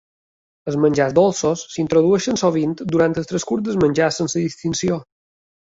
Els menjars dolços s'introdueixen sovint durant el transcurs del menjar sense distinció.